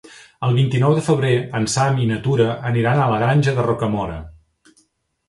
El vint-i-nou de febrer en Sam i na Tura aniran a la Granja de Rocamora.